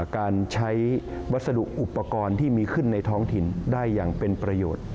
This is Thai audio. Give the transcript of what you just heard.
การใช้วัสดุอุปกรณ์ที่มีขึ้นในท้องถิ่นได้อย่างเป็นประโยชน์